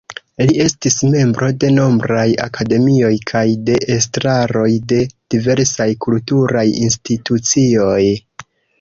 Li estis membro de nombraj akademioj kaj de estraroj de diversaj kulturaj institucioj.